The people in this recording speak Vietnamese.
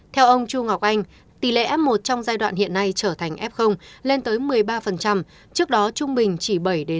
theo ông chu ngọc anh tỷ lệ f một trong giai đoạn hiện nay trở thành f lên tới một mươi ba trước đó trung bình chỉ bảy năm